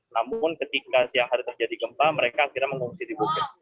namun ketika siang hari terjadi gempa mereka akhirnya mengungsi di bukit